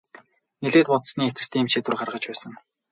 Нэлээд бодсоны эцэст ийм шийдвэр гаргаж байсан.